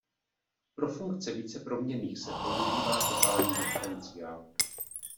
Pro funkce více proměnných se používá totální diferenciál.